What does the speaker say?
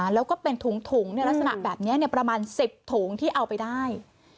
แล้วก็เป็นถุงในลักษณะแบบนี้ประมาณ๑๐ถุงที่เอาไปได้